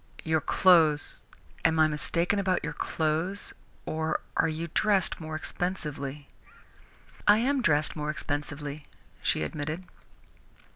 Your clothes am I mistaken about your clothes or are you dressed more expensively?" "I am dressed more expensively," she admitted.